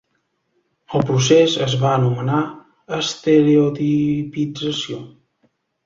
El procés es va anomenar "estereotipització".